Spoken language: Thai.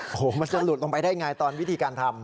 โอ้โหมันจะหลุดลงไปได้ไงตอนวิธีการทำ